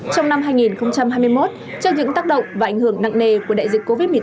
trong năm hai nghìn hai mươi một trước những tác động và ảnh hưởng nặng nề của đại dịch covid một mươi chín